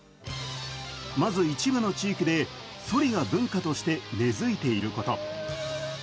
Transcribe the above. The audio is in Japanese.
まず一部の地域で、そりが文化として根づいていること。